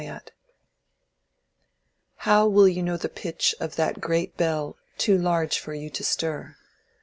CHAPTER XXXI. How will you know the pitch of that great bell Too large for you to stir?